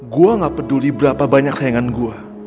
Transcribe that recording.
gue gak peduli berapa banyak sayangan gue